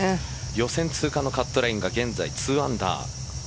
予選通過のカットラインは現在２アンダー。